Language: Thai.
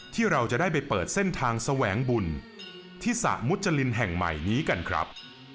ที่เราจะได้ไปเปิดเส้นทางแสวงบุญที่สระมุจรินแห่งใหม่นี้กันครับ